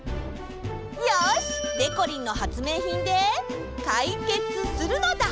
よし！でこりんの発明品でかいけつするのだ！